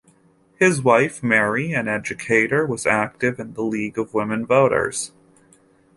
His wife, Mary, an educator, was active in the League of Women Voters.